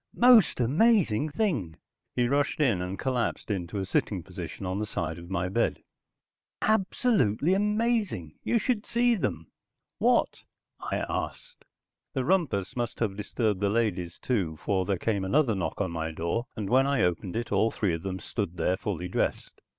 "Most amazing thing," he rushed in and collapsed into a sitting position on the side of my bed. "Absolutely amazing. You should see them." "What?" I asked. The rumpus must have disturbed the ladies, too, for there came another knock on my door, and when I opened it all three of them stood there fully dressed.